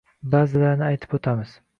Ba’zilarini aytib o‘tamiz: